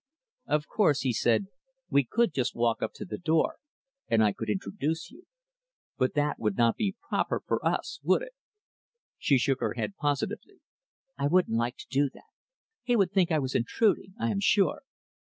"Of course," he said, "we could just walk up to the door, and I could introduce you; but that would not be proper for us would it?" She shook her head positively, "I wouldn't like to do that. He would think I was intruding, I am sure."